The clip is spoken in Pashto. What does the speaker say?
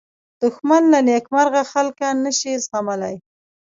دښمن له نېکمرغه خلک نه شي زغملی